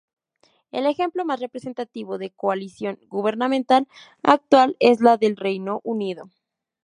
El ejemplo más representativo de coalición gubernamental actual es la del Reino Unido.